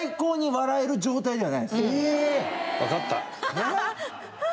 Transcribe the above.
えっ？